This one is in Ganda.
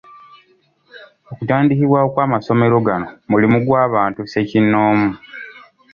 Okutandikibwawo kw’amasomero gano mulimu gw’abantu ssekinnoomu.